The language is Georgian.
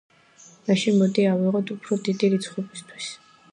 მაშინ მოდი ავიღოთ უფრო დიდი რიცხვებისთვის.